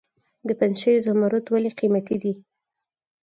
د پنجشیر زمرد ولې قیمتي دي؟